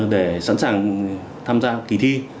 để sẵn sàng tham gia kỳ thi